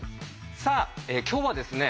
さあ今日はですね